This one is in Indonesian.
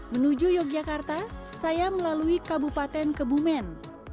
menuju yogyakarta saya melalui kabupaten kebumen